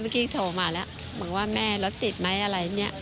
เมื่อกี้โทรมาแล้วบอกว่าแม่แล้วติดไหมอะไรเนี้ย